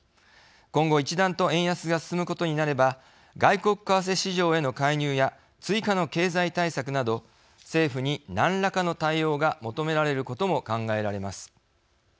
今後一段と円安が進むことになれば外国為替市場への介入や追加の経済対策など政府に、なんらかの対応が求められることも考えられます。